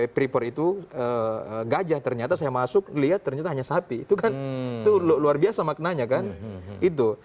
pripor itu gajah ternyata saya masuk lihat ternyata hanya sapi itu kan itu luar biasa maknanya kan itu